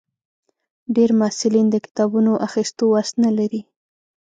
ډېری محصلین د کتابونو اخیستو وس نه لري.